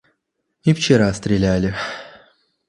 — И вчера стреляли.